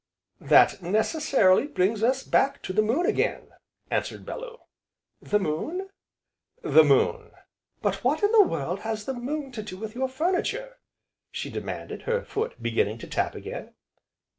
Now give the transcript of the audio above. "That necessarily brings us back to the moon again," answered Bellew. "The moon?" "The moon!" "But what in the world has the moon to do with your furniture?" she demanded, her foot beginning to tap again.